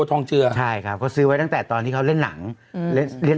ทองเจือใช่ครับเขาซื้อไว้ตั้งแต่ตอนที่เขาเล่นหนังอืมเล่นเล่น